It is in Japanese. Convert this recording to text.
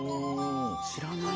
知らないな。